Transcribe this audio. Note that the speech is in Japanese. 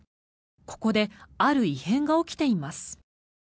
ここである異変が起きています。